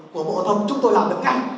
của bộ thông chúng tôi làm được ngay